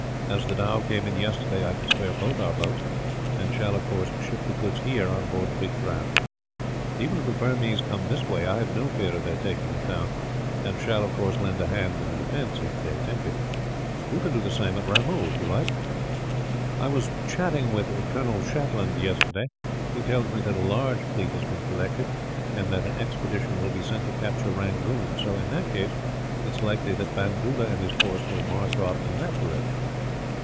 As the dhow came in yesterday, I can spare both our boats; and shall, of course, ship the goods here on board the big craft. Even if the Burmese come this way, I have no fear of their taking the town; and shall, of course, lend a hand in the defence, if they attempt it. You can do the same at Ramoo, if you like. "I was chatting with Colonel Shatland yesterday. He tells me that a large fleet has been collected, and that an expedition will be sent to capture Rangoon so, in that case, it is likely that Bandoola and his force will march off in that direction.